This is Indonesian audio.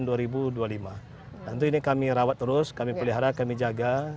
jadi ini kami rawat terus kami pelihara kami jaga